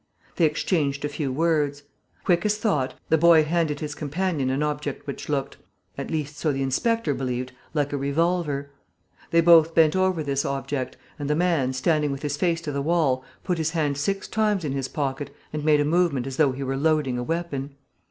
They exchanged a few words. Quick as thought, the boy handed his companion an object which looked at least, so the inspector believed like a revolver. They both bent over this object; and the man, standing with his face to the wall, put his hand six times in his pocket and made a movement as though he were loading a weapon.